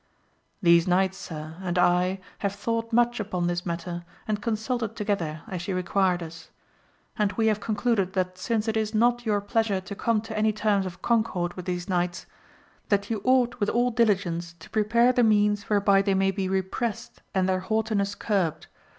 These knights sir, and I, have thought much upon this matter, and consulted together, as you required us. And we have concluded that since it is not your pleasure to come to any terms of concord with these knights, that you ought with aU diligence, to prepare the means whereby they may be represt and their haughtiness curbed.